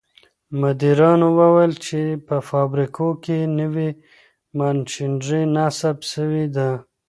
مديرانو وويل چي په فابريکو کي نوي ماشينري نصب سوي ده.